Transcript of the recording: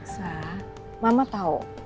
sa mama tau